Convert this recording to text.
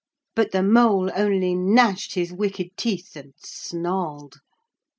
But the mole only gnashed his wicked teeth and snarled.